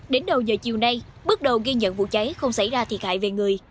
đến đầu giờ chiều nay bước đầu ghi nhận vụ cháy không xảy ra thì khai về người